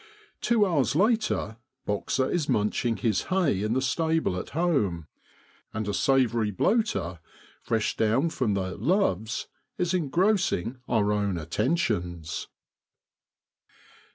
Two hours later Boxer is munching his hay in the stable at home, and a savoury bloater, fresh down from the ' loves,' is engrossing our own attentions.